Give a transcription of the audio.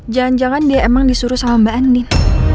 jangan jangan dia emang disuruh sama mbak andi